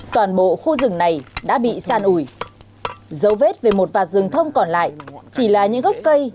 toàn bộ khu rừng này đã bị san ủi dấu vết về một vạt rừng thông còn lại chỉ là những gốc cây